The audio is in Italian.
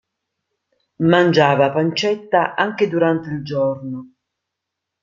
Mangiava pancetta anche durante il giorno.